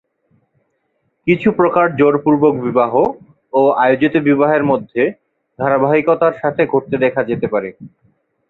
কিছু প্রকার জোরপূর্বক বিবাহ ও আয়োজিত বিবাহের মধ্যে ধারাবাহিকতার সাথে ঘটতে দেখা যেতে পারে।